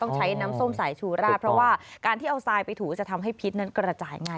ใช้น้ำส้มสายชูราดเพราะว่าการที่เอาทรายไปถูจะทำให้พิษนั้นกระจายง่าย